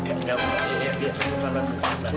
nih tehnya mau